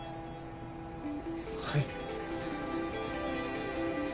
はい。